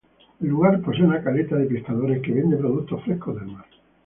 El lugar posee una caleta de pescadores que vende productos frescos del mar.